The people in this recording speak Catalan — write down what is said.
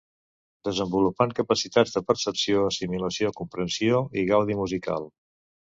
Desenvolupant capacitats de percepció, assimilació, comprensió i gaudi musical.